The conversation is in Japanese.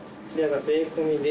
税込みで。